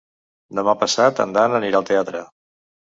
Demà passat en Dan anirà al teatre.